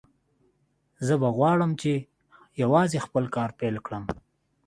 زه به وغواړم چې یوازې خپل کار پیل کړم